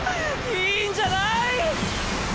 いいんじゃない！